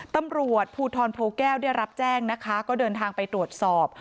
ตำรวจภูทรโพแก้วได้รับแจ้งนะคะก็เดินทางไปตรวจสอบ